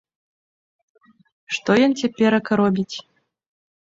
Што ён цяперака робіць?